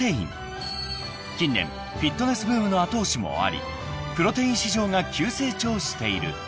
［近年フィットネスブームの後押しもありプロテイン市場が急成長している］